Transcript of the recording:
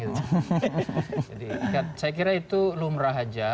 saya kira itu lumrah saja